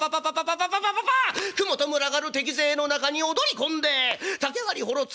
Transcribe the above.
くもと群がる敵勢の中に躍り込んで竹割りほろつき